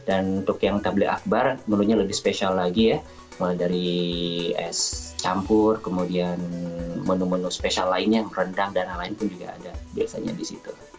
untuk yang table akbar menunya lebih spesial lagi ya mulai dari es campur kemudian menu menu spesial lainnya yang rendang dan lain lain pun juga ada biasanya di situ